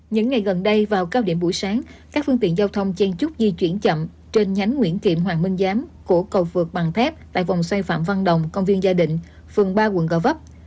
những ngày gần đây vào cao điểm buổi sáng các phương tiện giao thông chen chúc di chuyển chậm trên nhánh nguyễn kiệm hoàng minh giám cổ cầu vượt bằng thép tại vòng xoay phạm văn đồng công viên gia định phường ba quận gò vấp